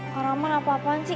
karawan apa apaan sih